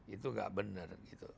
itu tidak benar